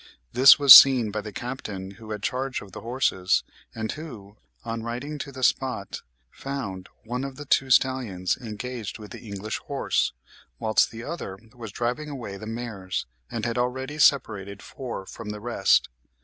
This was seen by the capitan who had charge of the horses, and who, on riding to the spot, found one of the two stallions engaged with the English horse, whilst the other was driving away the mares, and had already separated four from the rest.